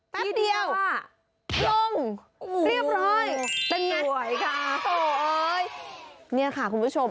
ทีเดียวลงเรียบร้อยเป็นไหมโอ๊ยนี่ค่ะคุณผู้ชม